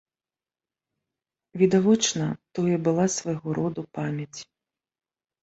Відавочна, тое была свайго роду памяць.